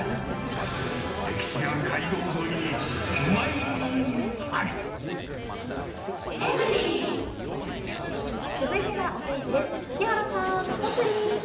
歴史ある街道沿いに、うまい続いてはお天気です。